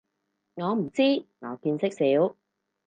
我唔知，我見識少